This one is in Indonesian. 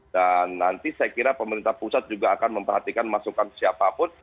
dan nanti saya kira pemerintah pusat juga akan memperhatikan masukan siapapun